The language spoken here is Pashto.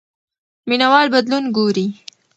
مینه وال بدلون ګوري.